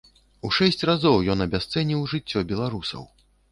У шэсць разоў ён абясцэніў жыццё беларусаў.